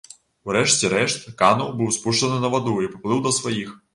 У рэшце рэшт кану быў спушчаны на ваду і паплыў да сваіх.